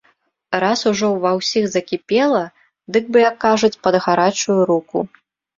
Раз ужо ўва ўсіх закіпела, дык бы, як кажуць, пад гарачую руку.